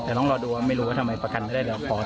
แต่น้องรอดูไม่รู้ว่าทำไมก็ไม่ได้เรียบร้อย